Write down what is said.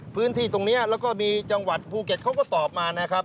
พื้นที่ตรงนี้แล้วก็มีจังหวัดภูเก็ตเขาก็ตอบมานะครับ